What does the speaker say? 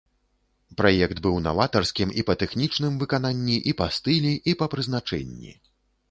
Праект быў наватарскім і па тэхнічным выкананні, і па стылі, і па прызначэнні.